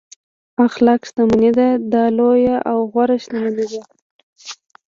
اخلاق شتمني ده دا لویه او غوره شتمني ده.